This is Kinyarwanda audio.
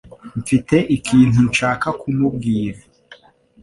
Mfite ikintu nshaka kumubwira.